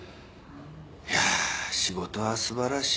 いやあ仕事は素晴らしい。